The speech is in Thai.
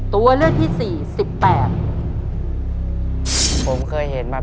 ตัวเลือดที่๓ม้าลายกับนกแก้วมาคอ